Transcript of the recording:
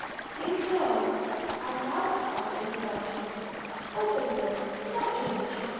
] Do you know, our mouths also give out heat. Open yours. Not too much!